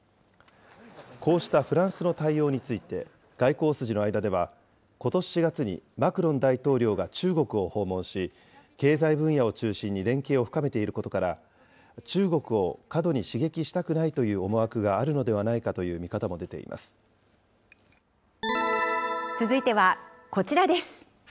こうしたフランスの対応について、外交筋の間では、ことし４月に、マクロン大統領が中国を訪問し、経済分野を中心に連携を深めていることから、中国を過度に刺激したくないという思惑があるのではないかという続いてはこちらです。